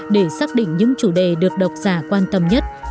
để xác định những chủ đề được độc giả quan tâm nhất